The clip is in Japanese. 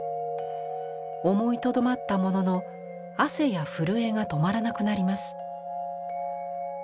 思いとどまったものの汗や震えが止まらなくなります。